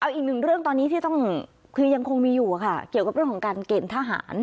อีกหนึ่งเรื่องตอนนี้ที่ต้องคือยังคงมีอยู่ค่ะเกี่ยวกับเรื่องของการเกณฑ์ทหาร